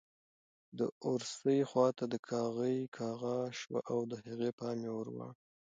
د اورسۍ خواته د کاغۍ کغا شوه او د هغې پام یې ور واړاوه.